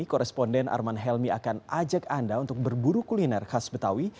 koresponden arman helmi akan ajak anda untuk berburu kuliner khas betawi